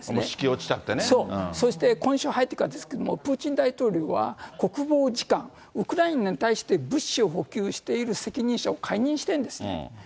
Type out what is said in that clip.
そして今週に入ってからですけれども、プーチン大統領は国防次官、ウクライナに対して、物資を補給している責任者を解任したんですね。